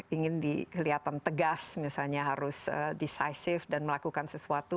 ingin kelihatan tegas misalnya harus decisive dan melakukan sesuatu